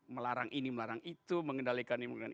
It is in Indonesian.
melarang ini melarang itu mengendalikan